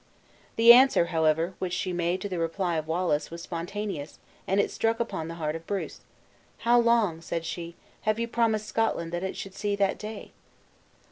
The answer, however, which she made to the reply of Wallace was spontaneous, and it struck upon the heart of Bruce. "How long," said she, "have you promised Scotland that it should see that day!"